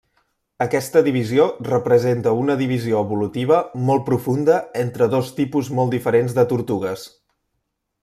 Aquesta divisió representa una divisió evolutiva molt profunda entre dos tipus molt diferents de tortugues.